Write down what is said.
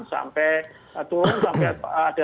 sampai turun sampai ada